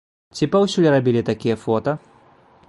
Ці паўсюль рабілі такія фота?